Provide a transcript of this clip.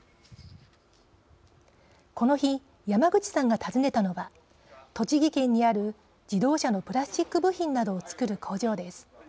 この日、山口さんが訪ねたのは栃木県にある自動車のプラスチック部品などを作る工場です。